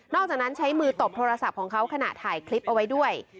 จากนั้นใช้มือตบโทรศัพท์ของเขาขณะถ่ายคลิปเอาไว้ด้วย